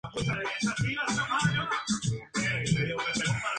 Se casó en la localidad de Candelaria con la docente Rosa Hauptmann.